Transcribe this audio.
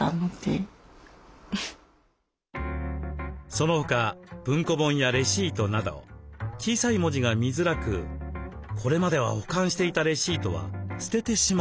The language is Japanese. その他文庫本やレシートなど小さい文字が見づらくこれまでは保管していたレシートは捨ててしまうように。